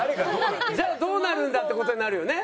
じゃあどうなるんだ？っていう事になるよね。